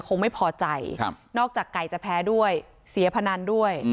คงไม่พอใจนอกจากไก่จะแพ้ด้วยเสียพนันด้วย